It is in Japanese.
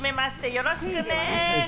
よろしくね。